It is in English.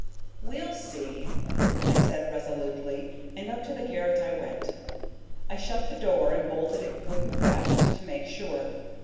"We'll see," I said resolutely, and up to the garret I went. I shut the door and bolted it good and fast to make sure.